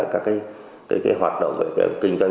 các hoạt động kinh doanh